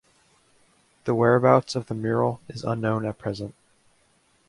The whereabouts of the mural is unknown at present.